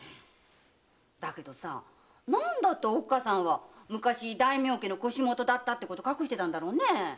だけど何でおっかさんは昔大名家の腰元だったことを隠してたんだろうね。